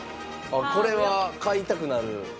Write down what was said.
これは買いたくなる。